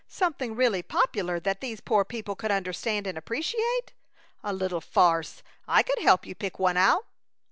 Something really popular that these poor people could understand and appreciate? A little farce! I could help you pick one out!"